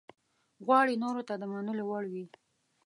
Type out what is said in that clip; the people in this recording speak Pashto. غواړي نورو ته د منلو وړ وي.